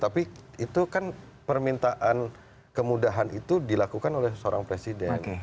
tapi itu kan permintaan kemudahan itu dilakukan oleh seorang presiden